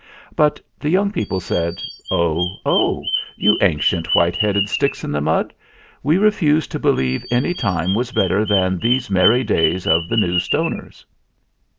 But the young people said, "Oh! oh! you ancient white headed sticks in the mud, we refuse to believe any time was better than these merry days of the New Stoners."